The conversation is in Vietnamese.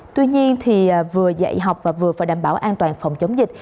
tuy nhiên vừa dạy học và vừa đảm bảo an toàn phòng chống dịch